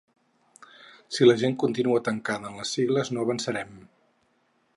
Si la gent continua tancada en les sigles no avançarem.